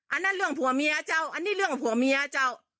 อันนั้นเรื่องผัวเมียเจ้าอันนี้เรื่องผัวเมียเจ้า